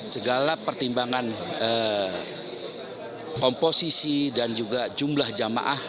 segala pertimbangan komposisi dan juga jumlah jamaah